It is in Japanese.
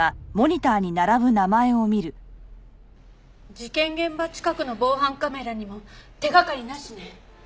事件現場近くの防犯カメラにも手掛かりなしね。